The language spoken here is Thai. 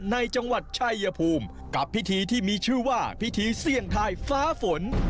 ในจังหวัดชายภูมิกับพิธีที่มีชื่อว่าพิธีเสี่ยงทายฟ้าฝน